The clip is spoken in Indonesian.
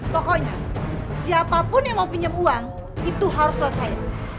pokoknya siapapun yang mau pinjam uang itu harus lewat saya